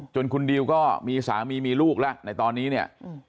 คุณดิวก็มีสามีมีลูกแล้วในตอนนี้เนี่ย